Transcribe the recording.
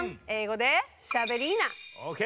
ＯＫ